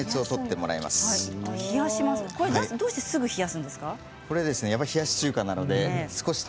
どうしてすぐに冷やすんですか？